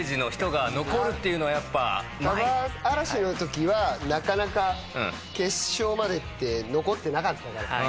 ＢＡＢＡ嵐のときはなかなか決勝までって残ってなかったから。